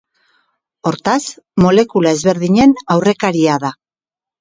Hortaz, molekula ezberdinen aurrekaria da.